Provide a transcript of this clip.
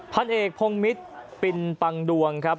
พันเอกพงมิตรปินปังดวงครับ